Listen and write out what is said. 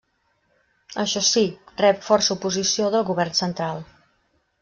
Això sí, rep força oposició del govern central.